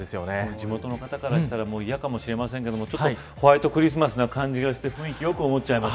地元の方からしたら嫌かもしれませんがホワイトクリスマスな感じがして雰囲気良く思っちゃいます。